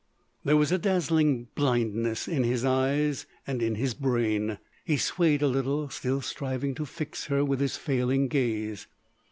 There was a dazzling blindness in his eyes and in his brain. He swayed a little still striving to fix her with his failing gaze.